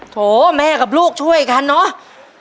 โถแม่กับลูกช่วยอีกครั้งเนาะ